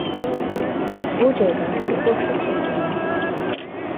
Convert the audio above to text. بۇ جايدا بىر بوشلۇق شەكىللىنىپ قالغان.